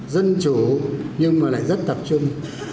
dân chủ nhưng mà lại rất tập trung